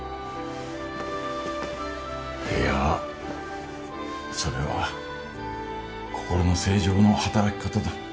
いやそれは心の正常な働き方だ。